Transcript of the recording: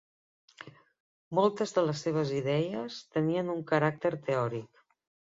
Moltes de les seves idees tenien un caràcter teòric.